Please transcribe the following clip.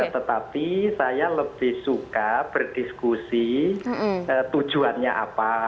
tetapi saya lebih suka berdiskusi tujuannya apa